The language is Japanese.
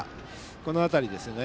この辺りですね。